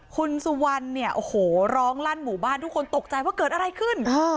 คุณสุวรรณเนี่ยโอ้โหร้องลั่นหมู่บ้านทุกคนตกใจว่าเกิดอะไรขึ้น